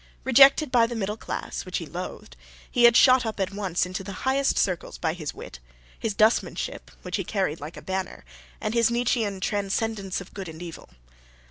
Rejected by the middle class, which he loathed, he had shot up at once into the highest circles by his wit, his dustmanship (which he carried like a banner), and his Nietzschean transcendence of good and evil.